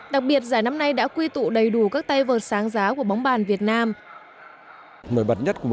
đặc biệt giải năm nay đã quy tụ đầy đủ các tay vợt sáng giá của bóng bàn việt nam